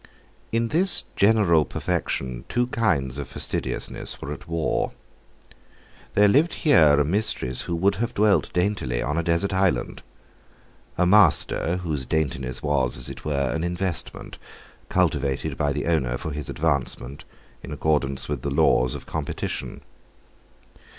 In this general perfection two kinds of fastidiousness were at war. There lived here a mistress who would have dwelt daintily on a desert island; a master whose daintiness was, as it were, an investment, cultivated by the owner for his advancement, in accordance with the laws of competition.